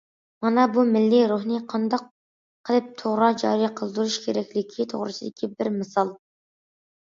مانا بۇ مىللىي روھنى قانداق قىلىپ توغرا جارى قىلدۇرۇش كېرەكلىكى توغرىسىدىكى بىر مىسال.